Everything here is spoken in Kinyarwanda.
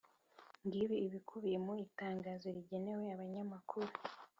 ngibi ibikubiye mu itangazo rigenewe abanyamakuru